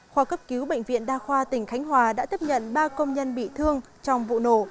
khoa cấp cứu bệnh viện đa khoa tỉnh khánh hòa đã tiếp nhận ba công nhân bị thương trong vụ nổ